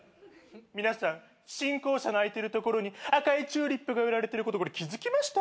皆さん新校舎の空いてる所に赤いチューリップが植えられてること気付きました？